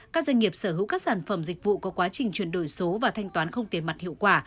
các doanh nghiệp sở hữu các sản phẩm dịch vụ có quá trình chuyển đổi số và thanh toán không tiền mặt hiệu quả